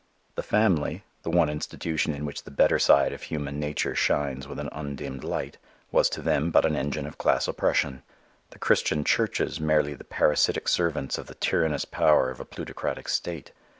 The family the one institution in which the better side of human nature shines with an undimmed light was to them but an engine of class oppression; the Christian churches merely the parasitic servants of the tyrannous power of a plutocratic state.